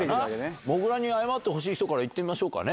もぐらに謝ってほしい人から、いってみましょうかね。